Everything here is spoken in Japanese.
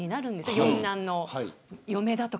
四男の嫁がとか。